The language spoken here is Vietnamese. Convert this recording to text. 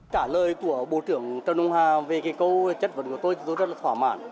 trả lời của bộ trưởng trần hồng hà về câu chấp vấn của tôi rất là thỏa mãn